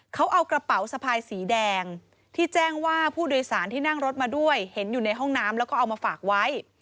เขาเอากระเป๋าสะพายสีแดงที่แจ้งว่าผู้โดยสารที่นั่งรถมาด้วยเห็นอยู่ในห้องน้ำแล้วก็เอามาฝากไว้